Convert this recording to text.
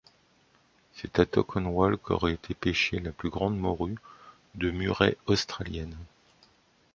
C'est à Tocumwal qu'aurait été pêchée la plus grande morue de Murray australienne.